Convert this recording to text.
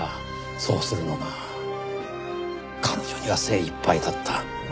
そうするのが彼女には精いっぱいだった。